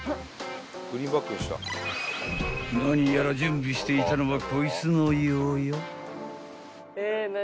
［何やら準備していたのはこいつのようよ］